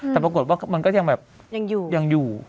แต่ปรากฏว่ามันก็ยังแบบยังอยู่